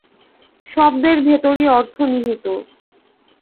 শব্দের ভেতরই অর্থ নিহিত।